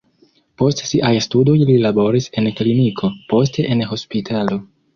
Post siaj studoj li laboris en kliniko, poste en hospitalo.